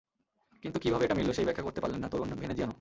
কিন্তু কীভাবে এটা মিলল, সেই ব্যাখ্যা করতে পারলেন না তরুণ ভেনেজিয়ানো।